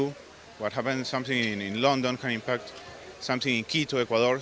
apa yang terjadi di london mungkin dapat mempengaruhi sesuatu di quito ecuador